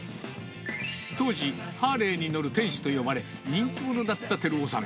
当時、ハーレーに乗る店主と呼ばれ、人気者だった輝男さん。